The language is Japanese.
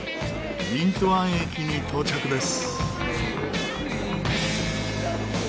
ビントゥアン駅に到着です。